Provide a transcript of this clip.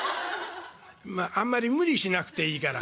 「あんまり無理しなくていいから。